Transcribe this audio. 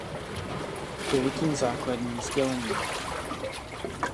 To je tím základním sdělením.